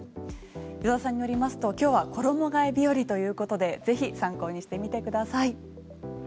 依田さんによりますと今日は衣替え日和ということでぜひ参考にしてみてください。